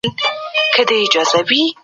پولیس وايي چي پلټنه روانه ده.